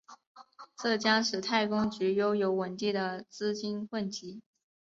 这将使太空局拥有稳定的资金汇集。